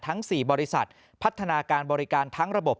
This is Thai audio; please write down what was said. ทั้ง๔บริษัทพัฒนาการบริการทั้งระบบ